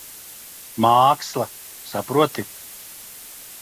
Māksla. Saproti?